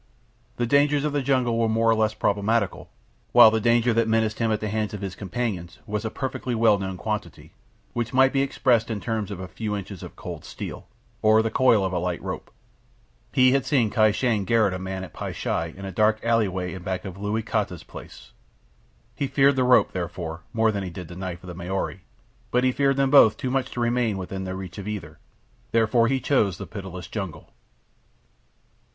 The dangers of the jungle were more or less problematical, while the danger that menaced him at the hands of his companions was a perfectly well known quantity, which might be expressed in terms of a few inches of cold steel, or the coil of a light rope. He had seen Kai Shang garrotte a man at Pai sha in a dark alleyway back of Loo Kotai's place. He feared the rope, therefore, more than he did the knife of the Maori; but he feared them both too much to remain within reach of either. Therefore he chose the pitiless jungle.